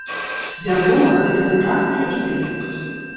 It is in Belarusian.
Вядома, гэта выдатная ідэя.